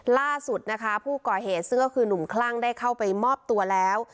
ล่าสุดนะคะผู้ก่อเหตุซึ่งก็คือหนุ่มคลั่งได้เข้าไปมอบตัวแล้ว